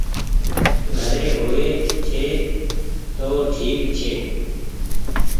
گھري هووي ڇي تو ٺيڪ ڇي۔